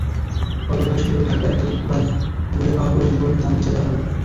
গতকাল শনিবার ঢাকার একাধিক বাজার ঘুরে পাওয়া প্রযুক্তিপণ্যের দাম নিচে দেওয়া হলো।